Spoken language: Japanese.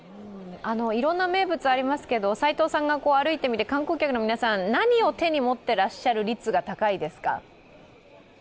いろんな名物ありますけど齋藤さんが歩いてみて観光客の皆さん、何を手に持ってらっしゃる率が高いですか？